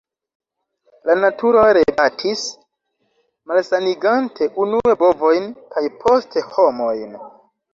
La “naturo rebatis, malsanigante unue bovojn kaj poste homojn.